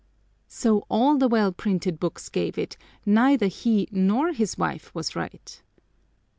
So all the well printed books gave it neither he nor his wife was right!